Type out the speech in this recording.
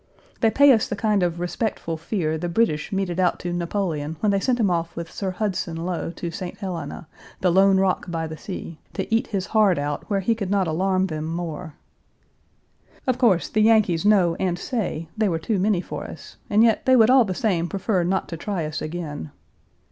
They pay us the kind of respectful fear the British meted out to Napoleon when they sent him off with Sir Hudson Lowe to St. Helena, the lone rock by the sea, to eat his heart out where he could not alarm them more. Of course, the Yankees know and say they were too many for us, and yet they would all the same prefer not to try us again.